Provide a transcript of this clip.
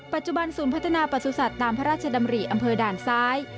ปัจจุบันศูนย์พัฒนาประสุทธิ์ตามพระราชดำริอำเภอด่านซ้าย